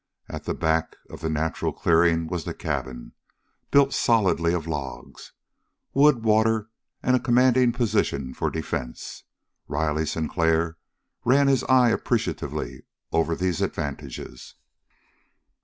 At the back of the natural clearing was the cabin, built solidly of logs. Wood, water, and commanding position for defense! Riley Sinclair ran his eye appreciatively over these advantages.